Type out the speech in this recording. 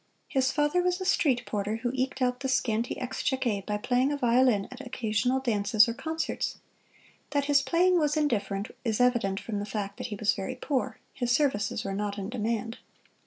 His father was a street porter who eked out the scanty exchequer by playing a violin at occasional dances or concerts. That his playing was indifferent is evident from the fact that he was very poor his services were not in demand.